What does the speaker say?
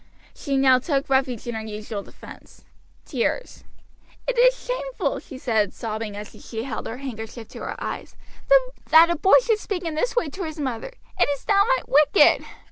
She now took refuge in her usual defense tears. "It is shameful," she said, sobbing, as she held her handkerchief to her eyes, "that a boy should speak in this way to his mother; it is downright wicked."